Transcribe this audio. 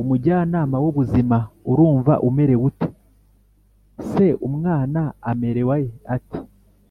Umujyanama w ubuzima urumva umerewe ute se umwana amerewe ate